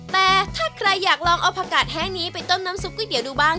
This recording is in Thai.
แต่ถ้าใครอยากลองเอาผักกาดแห้งนี้ไปต้มน้ำซุปก๋วยเตี๋ยวดูบ้าง